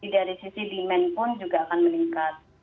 dari sisi demand pun juga akan meningkat